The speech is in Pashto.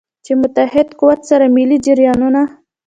چې په متحد قوت سره ملي جریانونه.